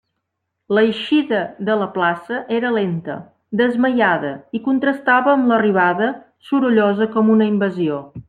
L'eixida de la plaça era lenta, desmaiada, i contrastava amb l'arribada, sorollosa com una invasió.